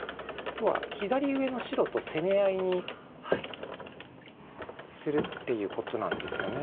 左上の白と攻め合いにするっていうことなんですよね。